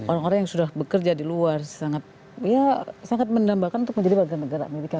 orang orang yang sudah bekerja di luar sangat ya sangat mendambakan untuk menjadi warga negara amerika